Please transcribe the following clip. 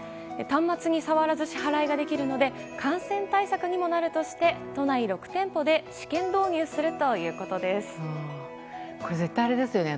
端末に触らず支払いができるので感染対策にもなるとして都内６店舗で試験導入するということです。